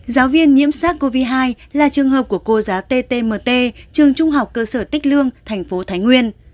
giáo viên nhiễm sars cov hai là trường hợp của cô giáo ttmt trường trung học cơ sở tích lương thành phố thái nguyên